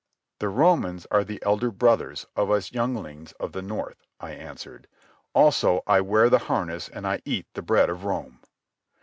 "The Romans are the elder brothers of us younglings of the north," I answered. "Also, I wear the harness and I eat the bread of Rome."